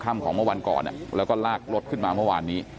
ของเมื่อวันก่อนแล้วก็ลากรถขึ้นมาเมื่อวานนี้